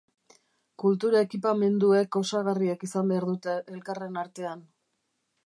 Kultura ekipamenduek osagarriak izan behar dute elkarren artean.